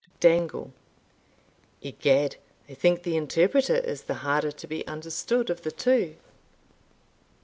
Dangle. Egad, I think the interpreter is the harder to be understood of the two.